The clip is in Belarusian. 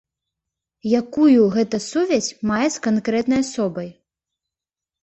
Якую гэта сувязь мае з канкрэтнай асобай?